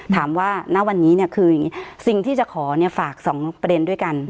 ณวันนี้เนี่ยคืออย่างนี้สิ่งที่จะขอเนี่ยฝากสองประเด็นด้วยกัน